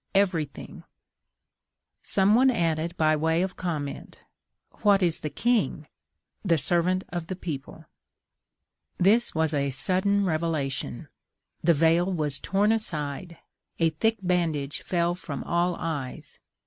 EVERY THING. Some one added by way of comment: WHAT IS THE KING? THE SERVANT OF THE PEOPLE. This was a sudden revelation: the veil was torn aside, a thick bandage fell from all eyes.